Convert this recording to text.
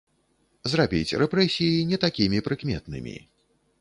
Зрабіць рэпрэсіі не такімі прыкметнымі.